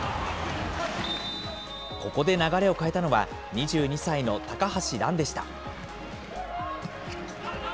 ここで流れを変えたのは、２２歳の高橋藍でした。